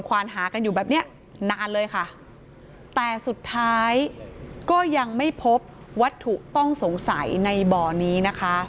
วานหากันอยู่แบบเนี้ยนานเลยค่ะแต่สุดท้ายก็ยังไม่พบวัตถุต้องสงสัยในบ่อนี้นะคะ